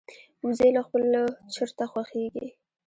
وزې له خپلو چرته خوښيږي